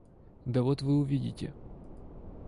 Да вот вы увидите.